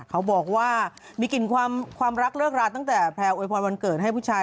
เขาบอกว่ามีกลิ่นความรักเลิกราตั้งแต่แพลวอวยพรวันเกิดให้ผู้ชาย